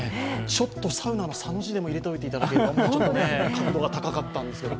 ちょっとサウナのサの字でも入れておいていただければ確度が高かったんだけれども。